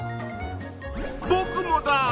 ぼくもだ！